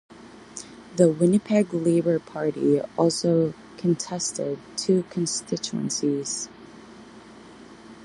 The Winnipeg Labour Party also contested two constituencies.